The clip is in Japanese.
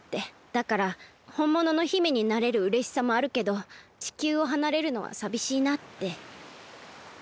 だからほんものの姫になれるうれしさもあるけど地球をはなれるのはさびしいなって。